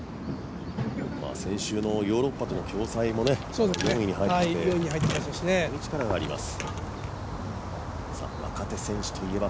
先週のヨーロッパとの共催も４位に入ってそういう力があります。